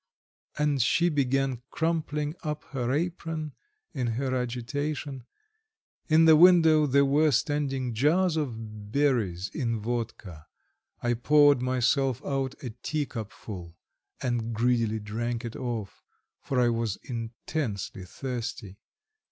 And she began crumpling up her apron in her agitation. In the window there were standing jars of berries in vodka. I poured myself out a teacupful and greedily drank it off, for I was intensely thirsty.